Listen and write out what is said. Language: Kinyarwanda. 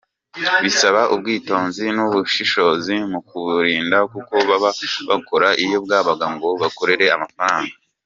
Bisaba ubwitonzi n’ubushishozi mu kubirinda kuko baba bakora iyo bwabaga ngo bakorera mafaranga.